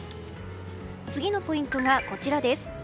次のポイントがこちらです。